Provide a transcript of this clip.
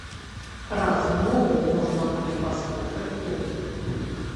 Размову можна будзе паслухаць тут.